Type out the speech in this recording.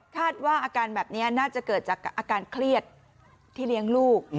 อาการแบบนี้น่าจะเกิดจากอาการเครียดที่เลี้ยงลูก